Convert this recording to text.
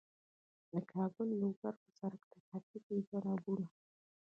د کابل- لوګر په سړک ترافیکي ګڼه ګوڼه